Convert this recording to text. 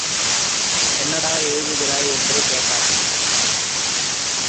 என்னடா எழுதுகிறாய் என்று கேட்டார்.